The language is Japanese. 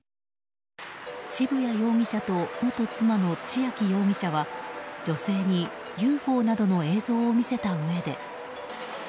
渋谷容疑者と元妻の千秋容疑者は女性にＵＦＯなどの映像を見せたうえで。